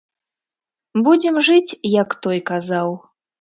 Будзем жыць, як той казаў.